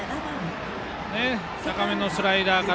高めのスライダー。